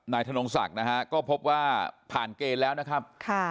ธนงศักดิ์นะฮะก็พบว่าผ่านเกณฑ์แล้วนะครับ